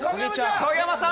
影山さん